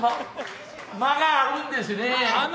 間があるんですねえ。